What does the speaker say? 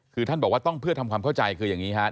คือท่านบอกว่าต้องเพื่อทำความเข้าใจคืออย่างนี้ครับ